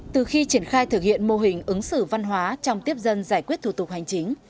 từ khi triển khai thực hiện mô hình ứng xử văn hóa trong tiếp dân giải quyết thủ tục hành chính